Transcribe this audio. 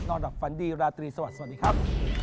หลับฝันดีราตรีสวัสดีครับ